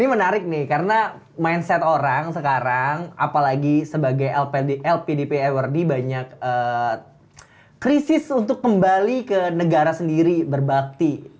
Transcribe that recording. ini menarik nih karena mindset orang sekarang apalagi sebagai lpdp award banyak krisis untuk kembali ke negara sendiri berbakti